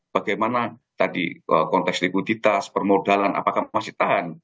bagaimana tadi konteks likuiditas permodalan apakah masih tahan